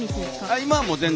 今はもう全然。